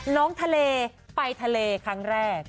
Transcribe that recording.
น้องทะเลไปทะเลครั้งแรก